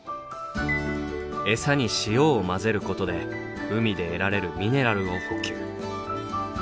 エサに塩を混ぜることで海で得られるミネラルを補給。